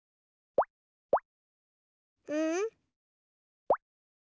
うん？